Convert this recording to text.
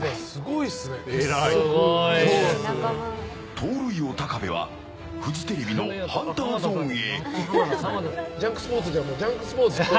盗塁王・高部はフジテレビのハンターゾーンへ。